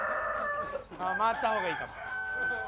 回った方がいいかも。